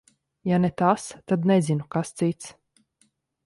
Ja ne tas, tad nezinu, kas cits.